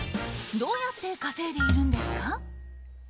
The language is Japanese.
どうやって稼いでいるんですか？